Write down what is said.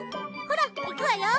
ほら行くわよ。